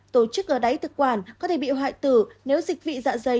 tổ chức ở đáy thực quản có thể bị hại tử nếu dịch vị dạ dày